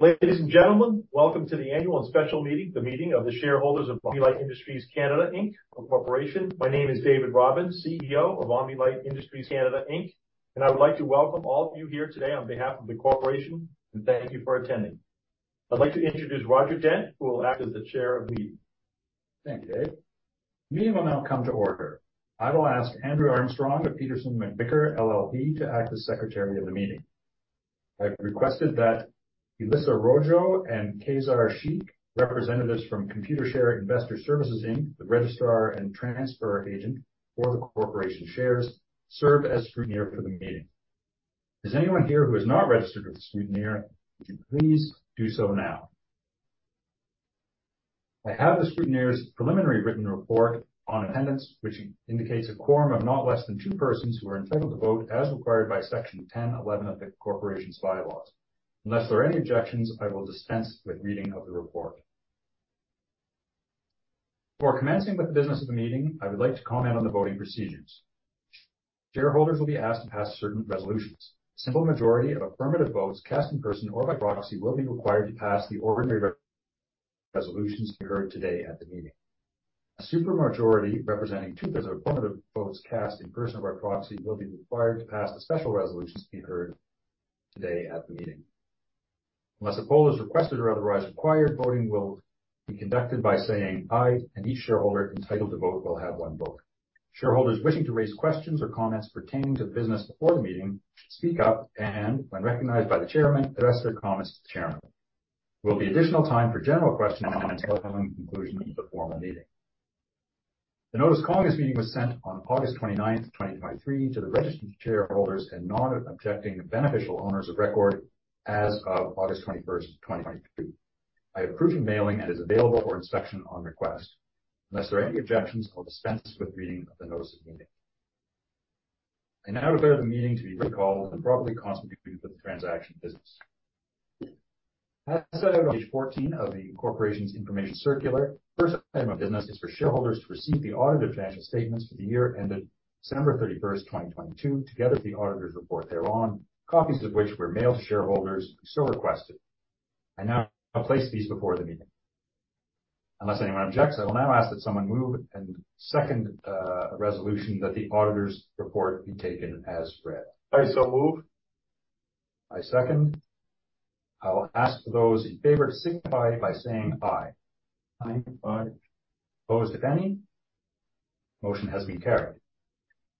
Ladies and gentlemen, welcome to the annual and special meeting, the meeting of the shareholders of Omni-Lite Industries Canada Inc, a corporation. My name is David Robbins, CEO of Omni-Lite Industries Canada Inc. I would like to welcome all of you here today on behalf of the corporation, and thank you for attending. I'd like to introduce Roger Dent, who will act as the chair of the meeting. Thank you, Dave. The meeting will now come to order. I will ask Andrew Armstrong of Peterson McVicar LLP to act as secretary of the meeting. I've requested that Elissa Rojo and Qaisar Sheikh, representatives from Computershare Investor Services Inc, the registrar and transfer agent for the corporation shares, serve as scrutineer for the meeting. Is anyone here who is not registered with the scrutineer? Would you please do so now. I have the scrutineer's preliminary written report on attendance, which indicates a quorum of not less than two persons who are entitled to vote as required by Section 1011 of the corporation's bylaws. Unless there are any objections, I will dispense with reading of the report. Before commencing with the business of the meeting, I would like to comment on the voting procedures. Shareholders will be asked to pass certain resolutions. A simple majority of affirmative votes cast in person or by proxy will be required to pass the ordinary resolutions to be heard today at the meeting. A super majority representing 2/3 of affirmative votes cast in person or by proxy will be required to pass the special resolutions to be heard today at the meeting. Unless a poll is requested or otherwise required, voting will be conducted by saying, "Aye," and each shareholder entitled to vote will have one vote. Shareholders wishing to raise questions or comments pertaining to the business before the meeting should speak up, and when recognized by the chairman, address their comments to the chairman. There will be additional time for general questions following the conclusion of the formal meeting. The notice calling this meeting was sent on August 29th, 2023, to the registered shareholders and non-objecting beneficial owners of record as of August 21st, 2023. I approve the mailing and is available for inspection on request. Unless there are any objections, I'll dispense with reading of the notice of meeting. I now declare the meeting to be recalled and properly constituted for the transaction business. As set out on page 14 of the corporation's information circular, first item of business is for shareholders to receive the audited financial statements for the year ended December 31st, 2022, together with the auditor's report thereon, copies of which were mailed to shareholders who so requested. I now place these before the meeting. Unless anyone objects, I will now ask that someone move and second a resolution that the auditor's report be taken as read. I so move. I second. I will ask for those in favor to signify by saying aye. Aye. Opposed, if any? Motion has been carried.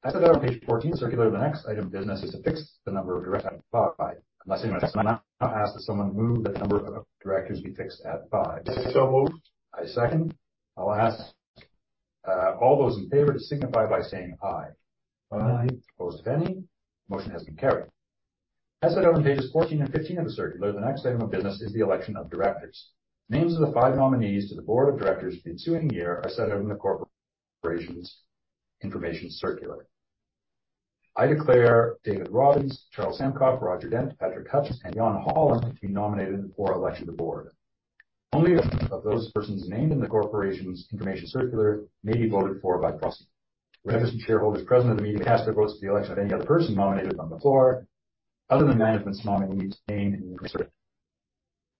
As said on page 14 circular, the next item of business is to fix the number of directors. Unless anyone objects, I will now ask that someone move that the number of directors be fixed at five. I so move. I second. I'll ask all those in favor to signify by saying aye. Aye. Opposed, if any? Motion has been carried. As said on pages 14 and 15 of the circular, the next item of business is the election of directors. Names of the five nominees to the board of directors for the ensuing year are set out in the corporations information circular. I declare David Robbins, Charles Samkoff, Roger Dent, Patrick Hutchins, and Jan Holland to be nominated for election to the board. Only of those persons named in the corporation's information circular may be voted for by proxy. Wherein the shareholders present at the meeting cast their votes for the election of any other person nominated on the floor, other than management's nominees named in the circular.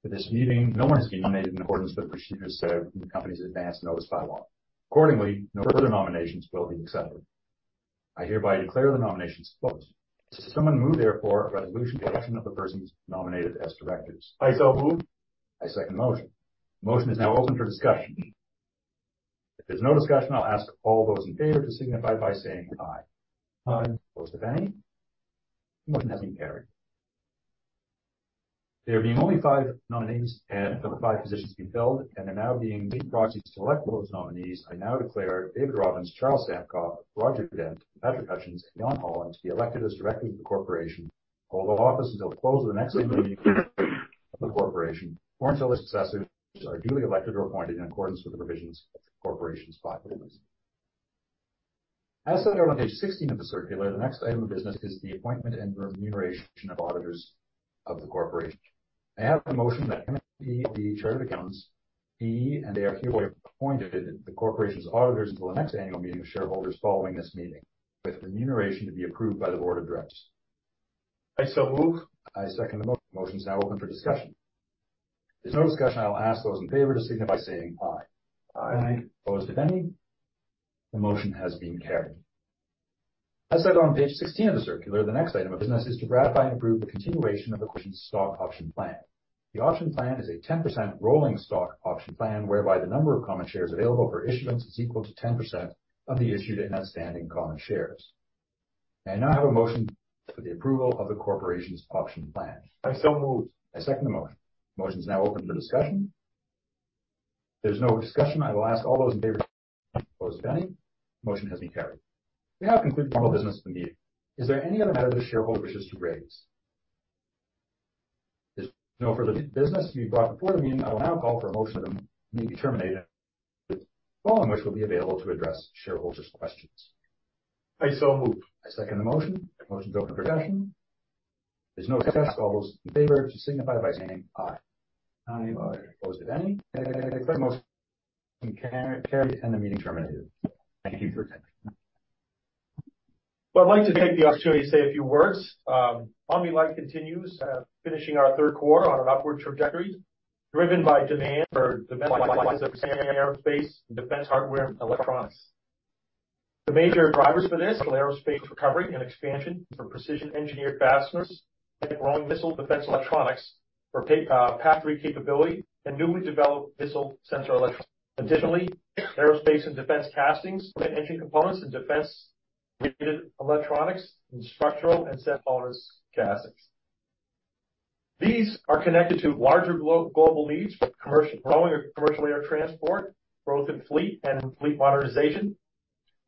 For this meeting, no one has been nominated in accordance with the procedures set out in the company's advance notice bylaw. Accordingly, no further nominations will be accepted. I hereby declare the nominations closed. Does someone move therefore resolution to election of the persons nominated as directors? I so move. I second the motion. Motion is now open for discussion. If there's no discussion, I'll ask all those in favor to signify by saying aye. Aye. Opposed, if any? Motion has been carried. There being only five nominees and the five positions to be filled, and there now being eight proxies to elect those nominees, I now declare David Robbins, Charles Samkoff, Roger Dent, Patrick Hutchins, and Jan Holland to be elected as directors of the corporation. Hold office until close of the next annual meeting of the corporation or until their successors are duly elected or appointed in accordance with the provisions of the corporation's bylaws. As said on page 16 of the circular, the next item of business is the appointment and remuneration of auditors of the corporation. May I have a motion that MNP LLP, the chartered accountants, be and they are hereby appointed the corporation's auditors until the next annual meeting of shareholders following this meeting, with remuneration to be approved by the board of directors. I so move. I second the motion. Motion is now open for discussion. If there's no discussion, I will ask those in favor to signify by saying aye. Aye. Opposed, if any? The motion has been carried. As said on page 16 of the circular, the next item of business is to ratify and approve the continuation of the corporation's stock option plan. The option plan is a 10% rolling stock option plan whereby the number of common shares available for issuance is equal to 10% of the issued and outstanding common shares. May I now have a motion for the approval of the corporation's option plan? I so move. I second the motion. Motion is now open for discussion. There is no discussion. I will ask all those in favor. Opposed, if any? Motion has been carried. We have concluded formal business of the meeting. Is there any other matter the shareholder wishes to raise? If there's no further business to be brought before the meeting, I will now call for a motion that the meeting be terminated following which we'll be available to address shareholders' questions. I so move. I second the motion. Motion's open for discussion. There's no discussion. All those in favor to signify by saying aye. Aye. Opposed, if any? Declared the motion carried, and the meeting terminated. Thank you for attending. Well, I'd like to take the opportunity to say a few words. Omni-Lite continues finishing our third quarter on an upward trajectory, driven by demand for domestic and aerospace defense hardware and electronics. The major drivers for this are aerospace recovery and expansion for precision engineered fasteners, growing missile defense electronics for Patriot capability, and newly developed missile sensor electronics. Additionally, aerospace and defense castings for engine components and defense-related electronics and structural and sensors castings. These are connected to larger global needs for growing commercial air transport, growth in fleet and fleet modernization,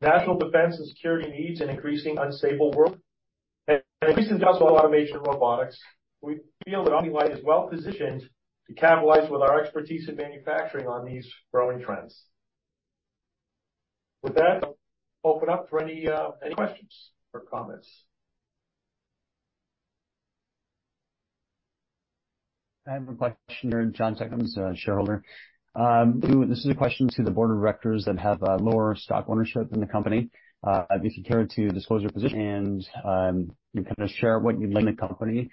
national defense and security needs, an increasing unstable world, and recent industrial automation robotics. We feel that Omni-Lite is well-positioned to capitalize with our expertise in manufacturing on these growing trends. With that, I'll open up for any questions or comments. I have a question here. John Teckhams, shareholder. This is a question to the board of directors that have lower stock ownership in the company. If you care to disclose your position and, you kinda share what you like in the company,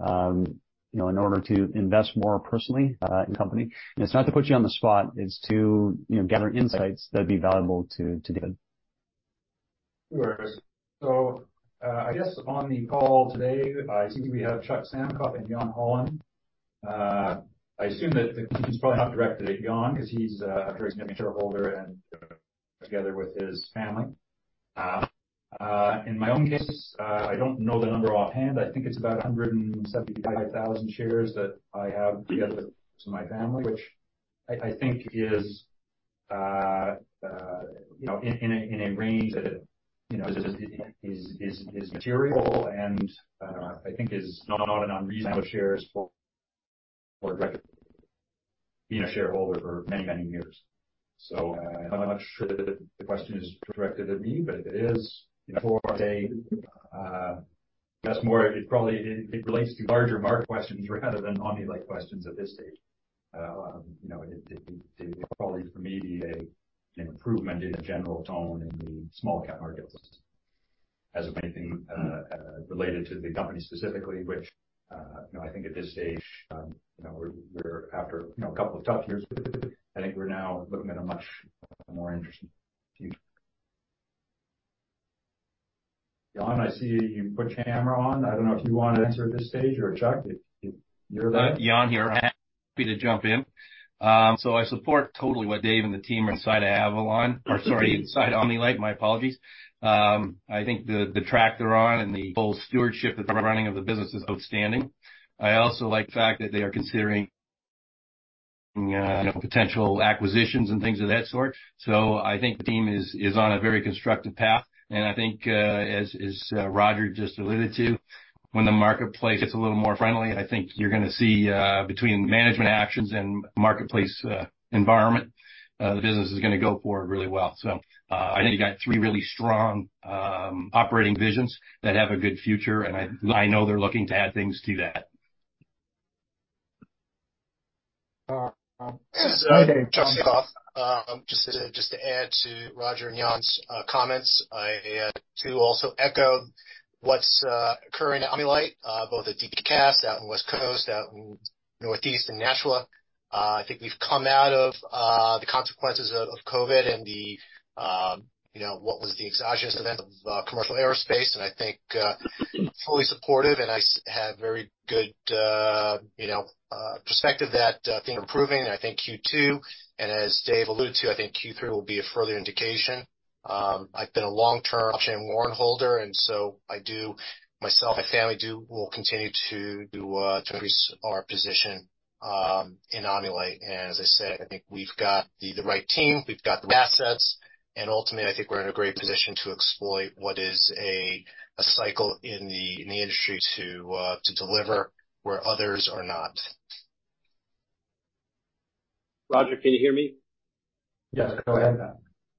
you know, in order to invest more personally in company. It's not to put you on the spot, it's to, you know, gather insights that'd be valuable to David. Sure. I guess on the call today, I think we have Charles Samkoff and Jan Holland. I assume that the question is probably not directed at Jan 'cause he's a very significant shareholder and together with his family. In my own case, I don't know the number offhand. I think it's about 175,000 shares that I have together with my family, which I think is, you know, in a range that, you know, is material and I think is not an unreasonable shares for being a shareholder for many, many years. I'm not sure that the question is directed at me, but if it is, you know, for, I guess more it probably relates to larger market questions rather than Omni-Lite questions at this stage. You know, it probably for me be an improvement in general tone in the small cap market as opposed to anything related to the company specifically, which, you know, I think at this stage, you know, we're after, you know, a couple of tough years. I think we're now looking at a much more interesting future. Jan Holland, I see you put your camera on. I don't know if you want to answer at this stage or Charles Samkoff if you're there. Jan here. Happy to jump in. So I support totally what Dave and the team inside of Avalon or sorry, inside Omni-Lite, my apologies. I think the track they're on and the whole stewardship of the running of the business is outstanding. I also like the fact that they are considering, you know, potential acquisitions and things of that sort. I think the team is on a very constructive path. I think as Roger just alluded to, when the marketplace gets a little more friendly, I think you're gonna see between management actions and marketplace environment, the business is gonna go forward really well. I think you got three really strong operating visions that have a good future, and I know they're looking to add things to that. Charles Samkoff. Charles Samkoff. Just to, just to add to Roger and Jan's comments. I too also echo what's occurring at Omni-Lite, both at DP Cast out in West Coast, out in Northeast and Nashua. I think we've come out of the consequences of COVID and the, you know, what was the exogenous event of commercial aerospace. I think, fully supportive and I have very good, you know, perspective that things are improving. I think Q2, and as Dave alluded to, I think Q3 will be a further indication. I've been a long-term option and warrant holder, and so I do, myself, my family will continue to increase our position in Omni-Lite. As I said, I think we've got the right team, we've got the right assets, and ultimately, I think we're in a great position to exploit what is a cycle in the, in the industry to deliver where others are not. Roger, can you hear me? Yes, go ahead.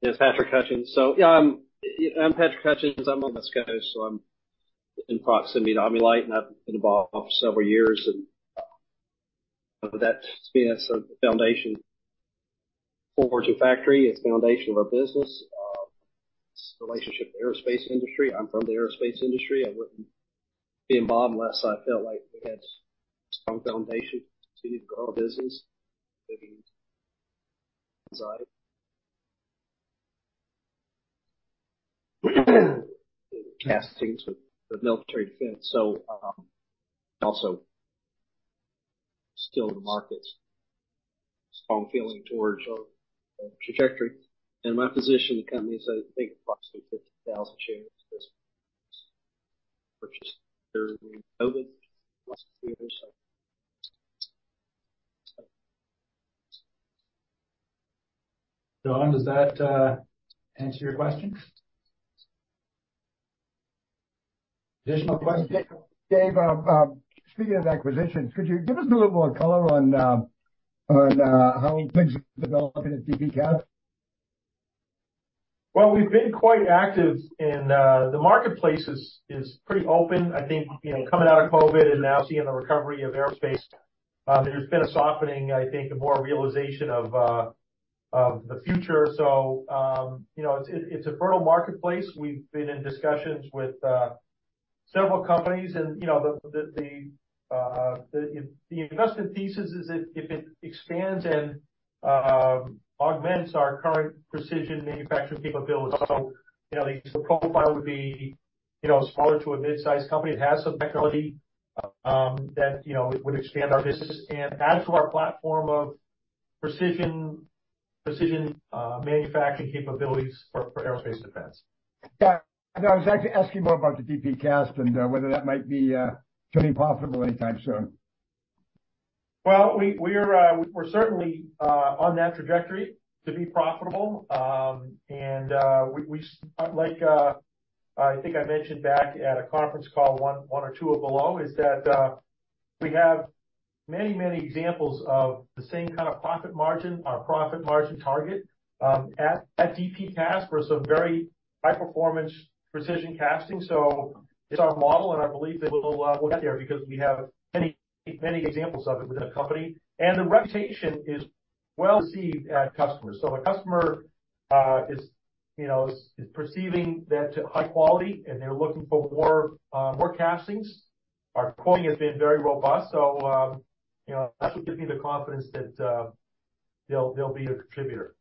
It's Patrick Hutchins. Yeah, I'm Patrick Hutchins. I'm on the West Coast, so I'm in proximity to Omni-Lite, and I've been involved for several years. That's been a foundation for forge factory. It's the foundation of our business relationship with aerospace industry. I'm from the aerospace industry. I wouldn't be involved unless I felt like we had a strong foundation to grow our business. I mean, sorry. Castings with the military defense. Also still the market's strong feeling towards our trajectory. My position in the company is, I think, approximately 50,000 shares purchased during COVID. Don, does that answer your question? Additional question, Dave. speaking of acquisitions, could you give us a little more color on, how things are developing at DP Cast? Well, we've been quite active and the marketplace is pretty open. I think, you know, coming out of COVID and now seeing the recovery of aerospace, there's been a softening, I think, a more realization of the future. You know, it's a fertile marketplace. We've been in discussions with several companies and, you know, the investment thesis is if it expands and augments our current precision manufacturing capabilities. You know, the profile would be, you know, smaller to a mid-sized company that has some technology that, you know, would expand our business and add to our platform of precision manufacturing capabilities for aerospace and defense. Yeah. No, I was actually asking more about the DP Cast and whether that might be turning profitable anytime soon. We, we're certainly on that trajectory to be profitable. We, we like I think I mentioned back at a conference call one or two or below, is that we have many, many examples of the same kind of profit margin, our profit margin target, at DP Cast for some very high performance precision casting. It's our model, and I believe that we'll get there because we have many, many examples of it within the company. The reputation is well received at customers. A customer is, you know, is perceiving that high quality and they're looking for more castings. Our quoting has been very robust. You know, that should give me the confidence that they'll be a contributor.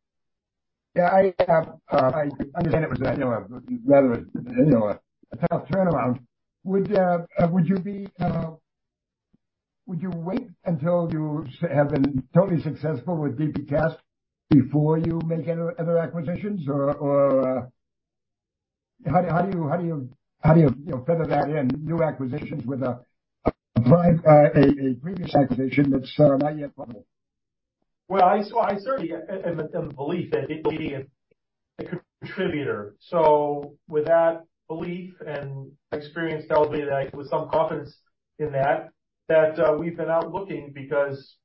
Yeah, I know a rather, you know, a tough turnaround. Would you wait until you have been totally successful with DP Cast before you make any other acquisitions? Or how do you know, feather that in new acquisitions with a previous acquisition that's not yet viable? Well, I certainly am a believer that it be a contributor. With that belief and experience tell me that with some confidence in that we've been out looking because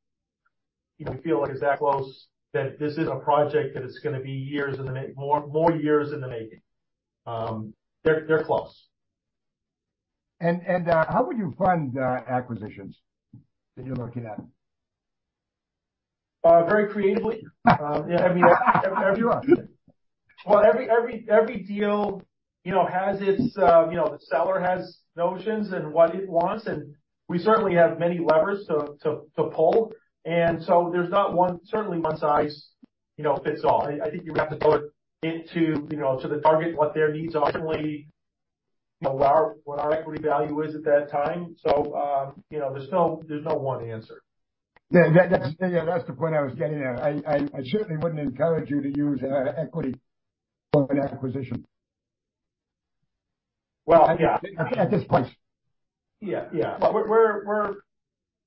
we feel like it's that close, that this isn't a project that is going to be years in the more years in the making. They're close. How would you fund acquisitions that you're looking at? Very creatively. Yeah. Sure. Well, every deal, you know, has its, you know, the seller has notions and what it wants, and we certainly have many levers to pull. There's not one size, you know, fits all. I think you have to go into, you know, to the target, what their needs are, certainly, you know, what our equity value is at that time. You know, there's no one answer. Yeah. That's the point I was getting at. I certainly wouldn't encourage you to use equity for an acquisition. Well, yeah. At this point. Yeah. Yeah. We're, you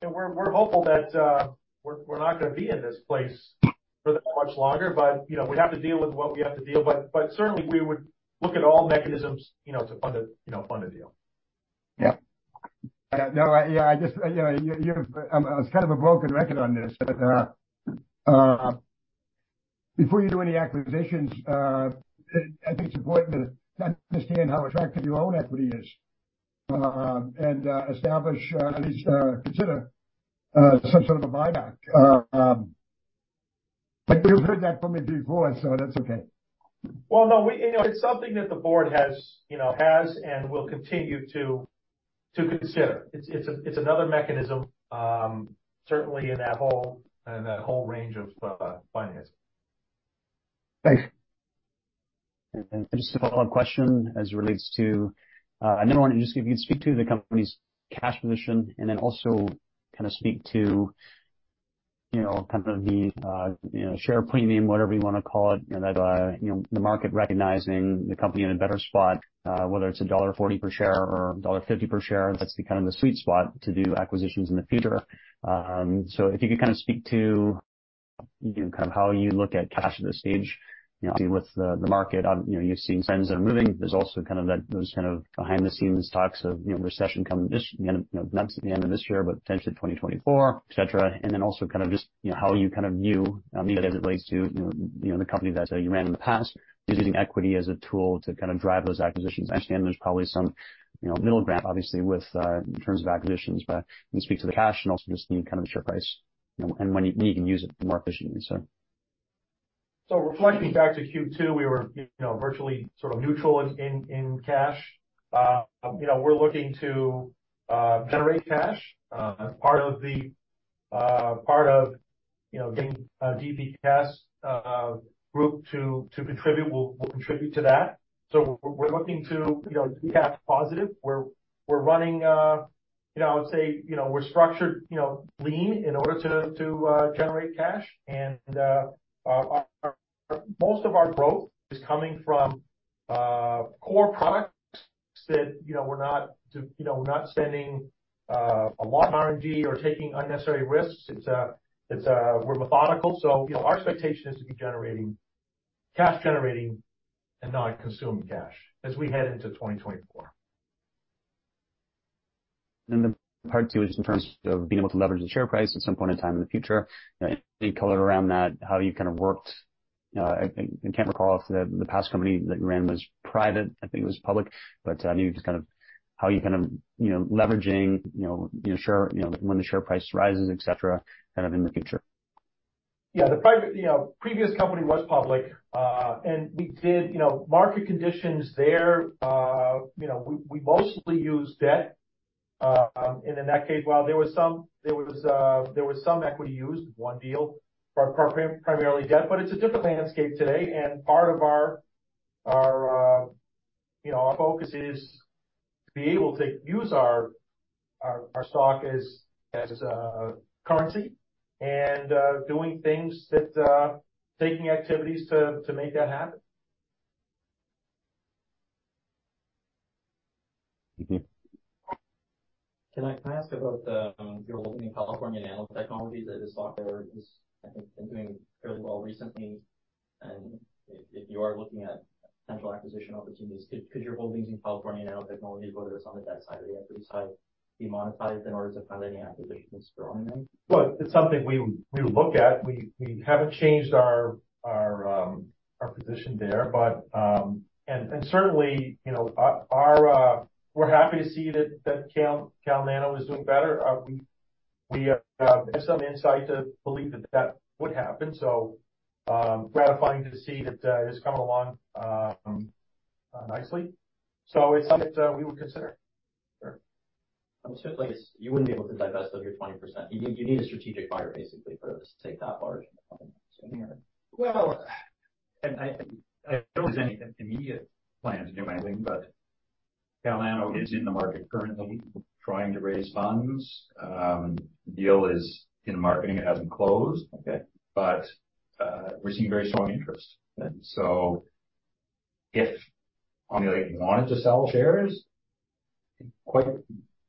know, we're hopeful that we're not gonna be in this place for that much longer, but, you know, we have to deal with what we have to deal. Certainly we would look at all mechanisms, you know, to fund a deal. Yeah. No, I, yeah, I just, you know, you're as kind of a broken record on this, but before you do any acquisitions, I think it's important to understand how attractive your own equity is, and establish, at least, consider some sort of a buyback. You've heard that from me before, so that's okay. Well, no, we, you know, it's something that the board has, you know, has and will continue to consider. It's, it's a, it's another mechanism, certainly in that whole, in that whole range of finance. Thanks. Just a follow-up question as it relates to, if you could speak to the company's cash position and then also kind of speak to, you know, kind of the, you know, share premium, whatever you wanna call it. You know, that, you know, the market recognizing the company in a better spot, whether it's dollar 1.40 per share or dollar 1.50 per share, that's the kind of the sweet spot to do acquisitions in the future. So if you could kind of speak to, you know, kind of how you look at cash at this stage, you know, with the market. You know, you've seen signs that are moving. There's also those kind of behind the scenes talks of, you know, recession coming this, not at the end of this year, but potentially 2024, et cetera. Also kind of just, you know, how you kind of view, as it relates to, you know, the company that you ran in the past, using equity as a tool to kind of drive those acquisitions. I understand there's probably some, you know, middle ground obviously with, in terms of acquisitions. Can you speak to the cash and also just the kind of share price and when you, when you can use it more efficiently, so. Reflecting back to Q2, we were, you know, virtually sort of neutral in cash. You know, we're looking to generate cash as part of the part of, you know, getting DP Cast group to contribute. We'll contribute to that. We're looking to, you know, be cash positive. We're running, you know, I would say, you know, we're structured, you know, lean in order to generate cash. Most of our growth is coming from core products that, you know, we're not, you know, we're not spending a lot on R&D or taking unnecessary risks. It's, we're methodical. You know, our expectation is to be cash generating and not consume cash as we head into 2024. Part two is just in terms of being able to leverage the share price at some point in time in the future. You know, any color around that, how you've kind of worked, I can't recall if the past company that you ran was private. I think it was public. Maybe just kind of how you're gonna, you know, leveraging, you know, the share, you know, when the share price rises, et cetera, kind of in the future. Yeah. The private, you know, previous company was public. We did, you know, market conditions there, you know, we mostly used debt. In that case, while there was some, there was some equity used, one deal, primarily debt, but it's a different landscape today. Part of our, you know, our focus is to be able to use our stock as currency and doing things that, taking activities to make that happen. Can I ask about your holding in California Nanotechnologies? The stock there has, I think, been doing fairly well recently. If, if you are looking at potential acquisition opportunities, could your holdings in California Nanotechnologies, whether it's on the debt side or the equity side, be monetized in order to fund any acquisitions strongly? It's something we would look at. We haven't changed our position there. Certainly, you know, we're happy to see that Cal Nano is doing better. We have some insight to believe that that would happen, so gratifying to see that it's coming along nicely. It's something we would consider. Sure. Just quickly, you wouldn't be able to divest of your 20%. You need a strategic buyer basically to take that large of a stake. Well, I, there wasn't any immediate plan to do anything. Cal Nano is in the market currently trying to raise funds. The deal is in marketing. It hasn't closed. Okay. We're seeing very strong interest. Okay. If Omni-Lite wanted to sell shares,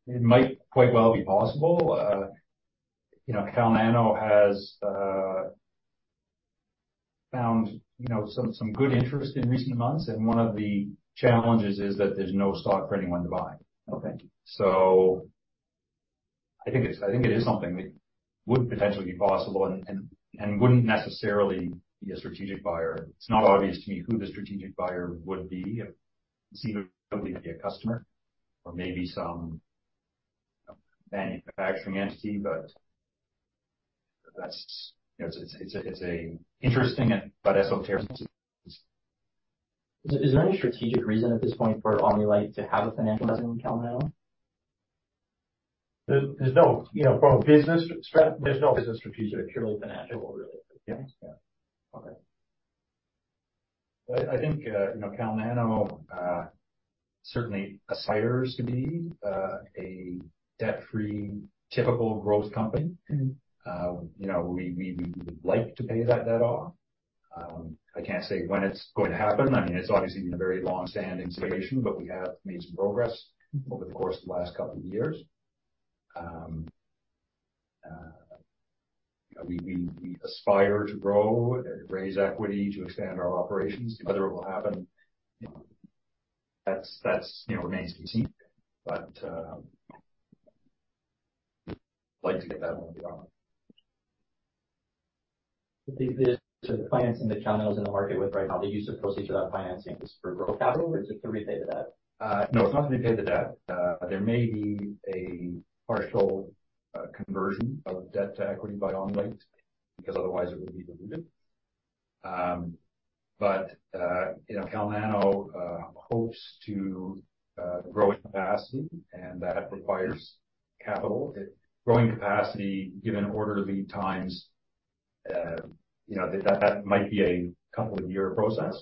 it might quite well be possible. You know, Cal Nano has found, you know, some good interest in recent months, and one of the challenges is that there's no stock for anyone to buy. Okay. I think it is something that would potentially be possible and wouldn't necessarily be a strategic buyer. It's not obvious to me who the strategic buyer would be. It seems to be a customer or maybe some manufacturing entity, but that's, you know, it's a interesting but esoteric solution. Is there any strategic reason at this point for Omni-Lite to have a financial investment in Cal Nano? There's no, you know, there's no business strategic. Purely financial related. Yeah. Okay. I think, you know, Cal Nano certainly aspires to be a debt-free typical growth company. You know, we would like to pay that debt off. I can't say when it's going to happen. I mean, it's obviously been a very long-standing situation, but we have made some progress over the course of the last couple of years. We aspire to grow and raise equity to expand our operations. Whether it will happen, you know, that's, you know, remains to be seen. Like to get that one gone. The financing that Cal Nano's in the market with right now, the use of proceeds for that financing is for growth capital or is it to repay the debt? No, it's not to repay the debt. There may be a partial conversion of debt to equity by Omni-Lite because otherwise it would be diluted. You know, Cal Nano hopes to grow in capacity, and that requires capital. Growing capacity, given order lead times, you know, that might be a couple of year process.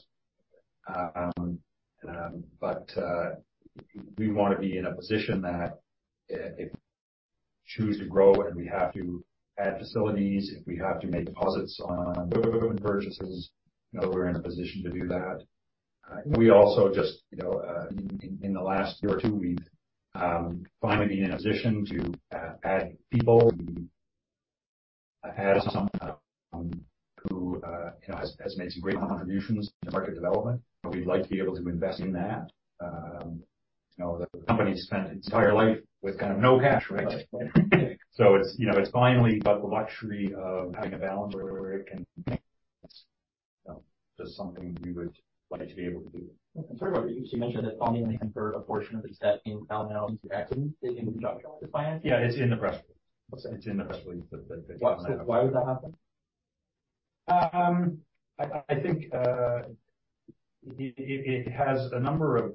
We want to be in a position that if we choose to grow and we have to add facilities, if we have to make deposits on purchases, you know, we're in a position to do that. We also just, you know, in the last year or two, we've finally been in a position to add people. We added someone who, you know, has made some great contributions to market development. We'd like to be able to invest in that. You know, the company spent its entire life with kind of no cash. Right. It's, you know, it's finally got the luxury of having a balance where it can invest. You know, just something we would like to be able to do. Sorry about that. You mentioned that Omni-Lite can convert a portion of its debt in Cal Nano into equity. Is it in conjunction with this financing? Yeah, it's in the press release. Okay. It's in the press release that Cal Nano-. Why would that happen? I think it has a number of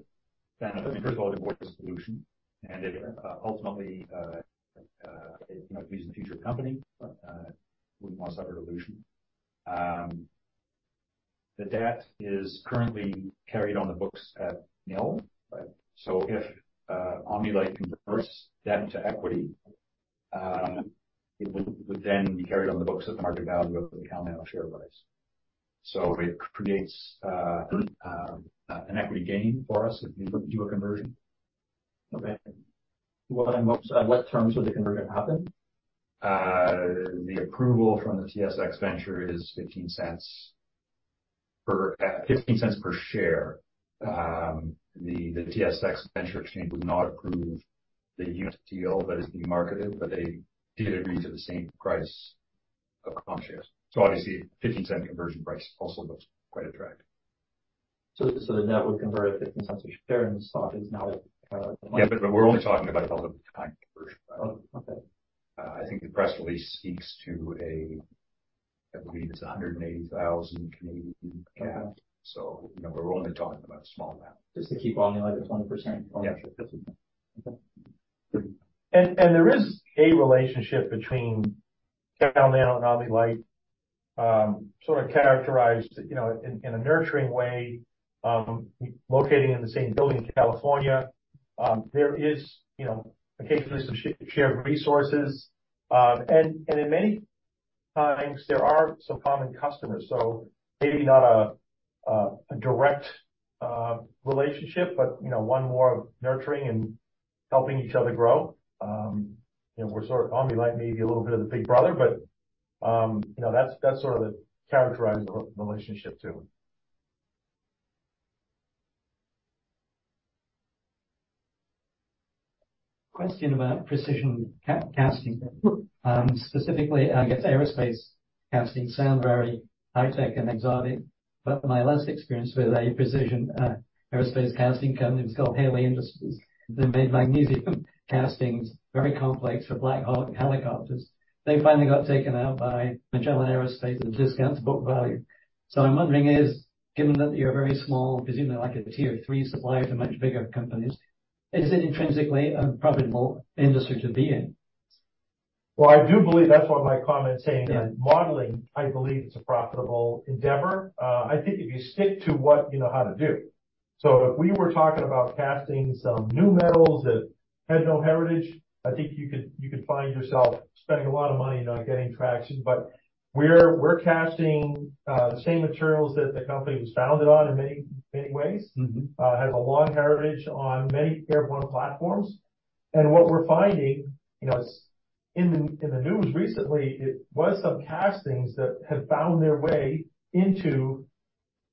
benefits. I mean, first of all, it avoids a dilution, and it ultimately, you know, it breeds the future company. We wouldn't want to suffer a dilution. The debt is currently carried on the books at nil. Right. If Omni-Lite converts debt to equity, it would then be carried on the books at the market value of the Cal Nano share price. It creates an equity gain for us if we do a conversion. Okay. At what terms would the conversion happen? The approval from the TSX Venture is 0.15 per, 0.15 per share. The TSX Venture Exchange would not approve the unit deal that is being marketed, but they did agree to the same price of common shares. obviously 0.15 conversion price also looks quite attractive. The net would convert at 0.15 a share, and the stock is now at. Yeah, but we're only talking about a public conversion price. Oh, okay. I think the press release speaks to a, I believe it's 180,000 cap. Okay. You know, we're only talking about a small amount. Just to keep Omni-Lite at 20% ownership. Yeah. Okay. There is a relationship between Cal Nano and Omni-Lite, sort of characterized, you know, in a nurturing way, locating in the same building in California. There is, you know, occasionally some shared resources. In many times there are some common customers. Maybe not a, a direct, uh, relationship, but you know, one more of nurturing and helping each other grow. You know, we're sort of Omni-Lite may be a little bit of the big brother, but, you know, that's sort of characterized the relationship too. Question about precision casting. Specifically, I guess aerospace casting sound very high tech and exotic, but my last experience with a precision aerospace casting company was called Haley Industries. They made magnesium castings, very complex, for BLACK HAWK Helicopters. They finally got taken out by Magellan Aerospace at a discount to book value. I'm wondering is, given that you're a very small, presumably like a tier three supplier to much bigger companies, is it intrinsically a profitable industry to be in? Well, I do believe that's why my comment saying that. Yeah. Modeling, I believe it's a profitable endeavor. I think if you stick to what you know how to do. If we were talking about casting some new metals that had no heritage, I think you could find yourself spending a lot of money not getting traction. We're casting the same materials that the company was founded on in many, many ways. Has a long heritage on many airborne platforms. What we're finding, you know, it's in the news recently, it was some castings that had found their way into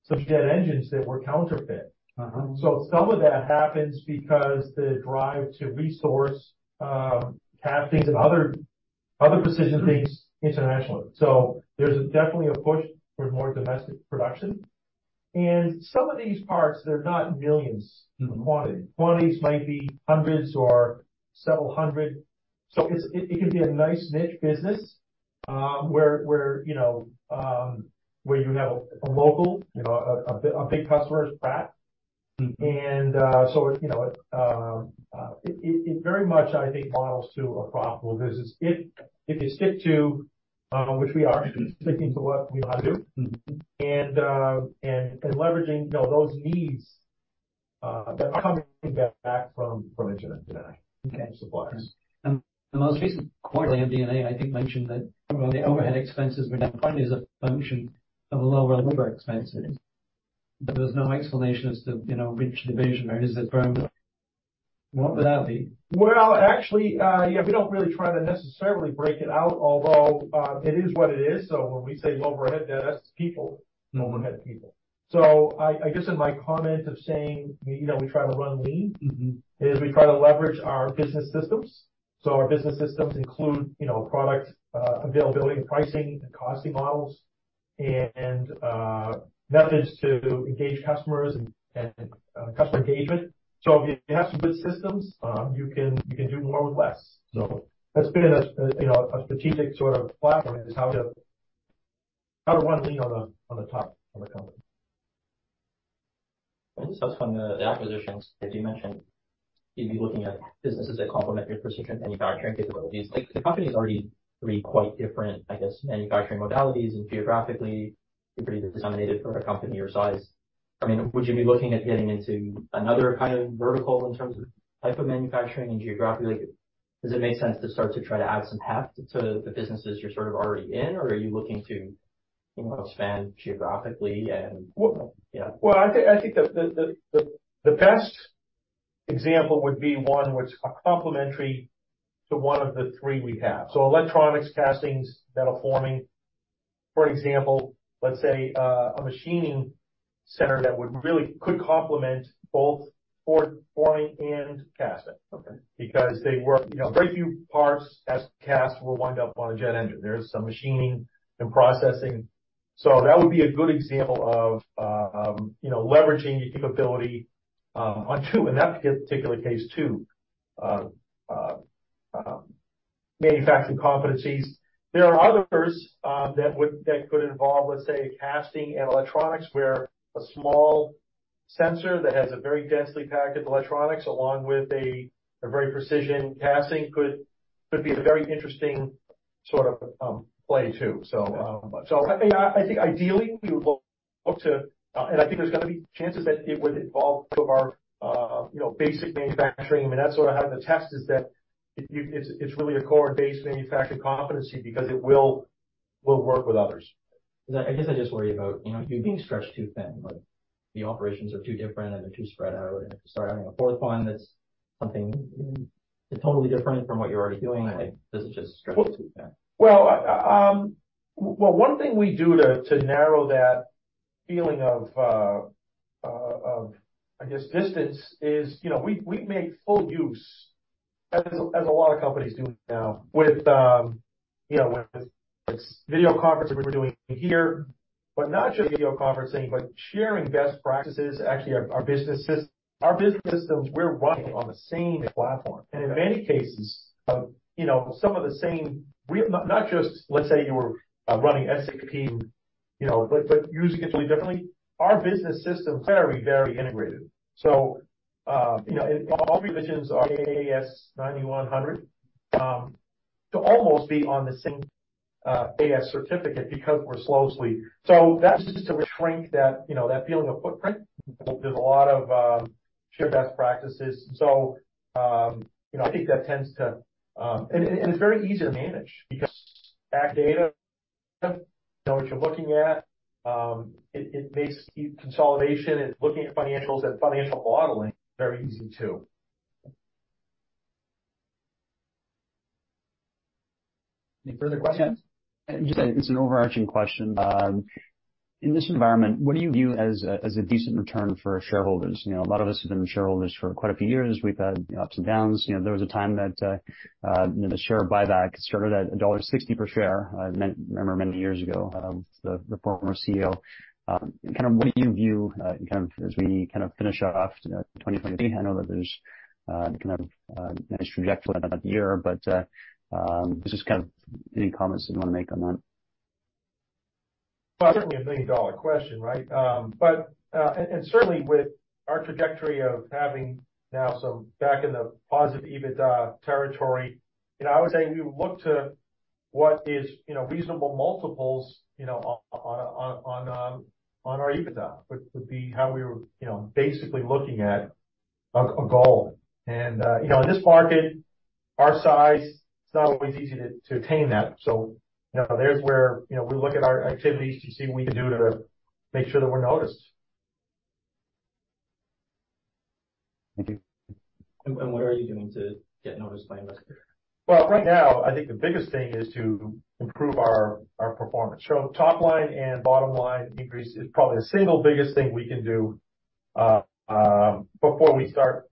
some jet engines that were counterfeit. Some of that happens because the drive to resource castings and other precision things internationally. There's definitely a push for more domestic production. Some of these parts, they're not millions in quantity. Quantities might be hundreds or several hundred. It can be a nice niche business, where, you know, where you have a local, you know, a big customer is Pratt. So, you know, it very much I think models to a profitable business. If you stick to, which we are sticking to what we know how to do. And leveraging, you know, those needs that are coming back from internet today and suppliers. The most recent quarterly MD&A, I think, mentioned that the overhead expenses were down partly as a function of lower labor expenses. There was no explanation as to, you know, which division or is it firm. What would that be? Actually, yeah, we don't really try to necessarily break it out, although it is what it is. When we say lower overhead, that's people. Lower overhead, people. I guess in my comment of saying, you know, we try to run lean is we try to leverage our business systems. Our business systems include, you know, product, availability and pricing and costing models and methods to engage customers and customer engagement. If you have some good systems, you can do more with less. That's been a, you know, a strategic sort of platform is how to run lean on the top of a company. I just asked on the acquisitions, as you mentioned, you'd be looking at businesses that complement your precision manufacturing capabilities. Like, the company is already three quite different, I guess, manufacturing modalities and geographically pretty disseminated for a company your size. I mean, would you be looking at getting into another kind of vertical in terms of type of manufacturing and geographically? Does it make sense to start to try to add some heft to the businesses you're sort of already in, or are you looking to, you know, expand geographically and- Well- Yeah. Well, I think the best example would be one which are complementary to one of the three we have. Electronics, castings, metal forming, for example, let's say a machining center that would really could complement both forge, forming and casting. Okay. They work, you know, very few parts as cast will wind up on a jet engine. There's some machining and processing. That would be a good example of, you know, leveraging your capability on two, in that particular case, two manufacturing competencies. There are others that could involve, let's say, casting and electronics, where a small sensor that has a very densely packed electronics along with a very precision casting could be a very interesting sort of play too. I think ideally you would look to, and I think there's gonna be chances that it would involve two of our, you know, basic manufacturing. I mean, that's what I have in the test is that it's really a core base manufacturing competency because it will work with others. 'Cause I guess I just worry about, you know, you being stretched too thin, like the operations are too different and they're too spread out. If you start adding a fourth one, that's something totally different from what you're already doing. Like, this is just stretched too thin. One thing we do to narrow that feeling of, I guess, distance is, you know, we make full use, as a lot of companies do now with, you know, with video conferencing we're doing here. Not just video conferencing, but sharing best practices. Actually, our business systems, we're running on the same platform. In many cases of, you know, some of the same real, not just let's say you were running [SAP], you know, but using it totally differently. Our business systems very, very integrated. You know, all of your visions are AS9100 to almost be on the same AS certificate because we're so closely. That's just to shrink that, you know, that feeling of footprint. There's a lot of shared best practices. You know, I think that tends to. It's very easy to manage because back data, you know what you're looking at, it makes consolidation and looking at financials and financial modeling very easy too. Any further questions? Yeah. It's an overarching question. In this environment, what do you view as a, as a decent return for shareholders? You know, a lot of us have been shareholders for quite a few years. We've had ups and downs. You know, there was a time that, you know, the share buyback started at dollar 1.60 per share, many, remember many years ago, the former CEO. Kind of what do you view, kind of as we kind of finish off, 2020? I know that there's, kind of a nice trajectory about the year, just kind of any comments you want to make on that? Well, certainly a billion-dollar question, right? Certainly with our trajectory of having now some back in the positive EBITDA territory, you know, I would say we would look to what is, you know, reasonable multiples, you know, on our EBITDA. Which would be how we were, you know, basically looking at a goal. You know, in this market, our size, it's not always easy to attain that. You know, there's where, you know, we look at our activities to see what we can do to make sure that we're noticed. Thank you. What are you doing to get noticed by investors? Right now, I think the biggest thing is to improve our performance. Top line and bottom line decrease is probably the single biggest thing we can do before we start.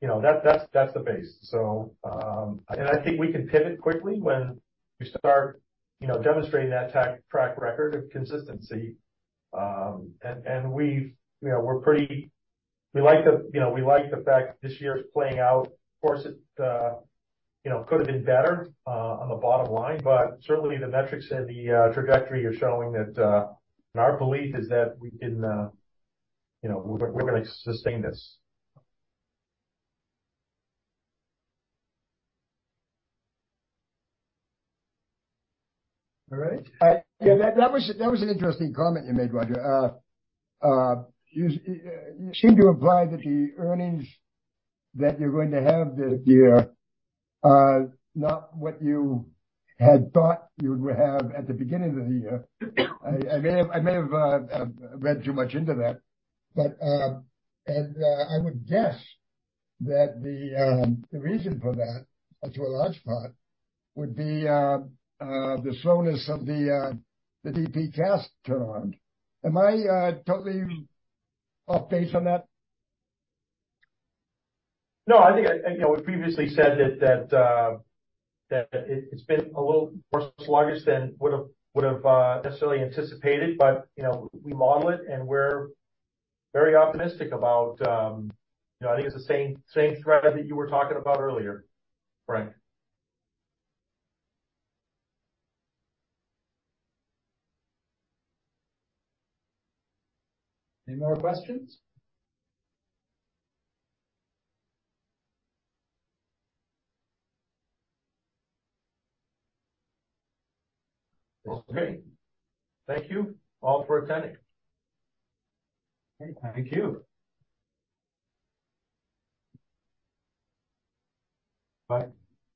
You know, that's the base. I think we can pivot quickly when we start, you know, demonstrating that track record of consistency. And we've, you know, we like the, you know, we like the fact this year is playing out. Of course, it, you know, could have been better on the bottom line, certainly the metrics and the trajectory are showing that, and our belief is that we can, you know, we're gonna sustain this. All right. Yeah, that was an interesting comment you made, Roger. You seem to imply that the earnings that you're going to have this year are not what you had thought you would have at the beginning of the year. I may have read too much into that. I would guess that the reason for that, to a large part, would be the slowness of the DP Cast turnaround. Am I totally off base on that? No, I think I, you know, we previously said that it's been a little more sluggish than would have necessarily anticipated. You know, we model it, and we're very optimistic about, you know, I think it's the same thread that you were talking about earlier, Frank. Any more questions? Okay. Thank you all for attending. Okay. Thank you. Bye.